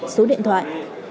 số điện thoại